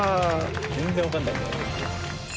全然分かんない。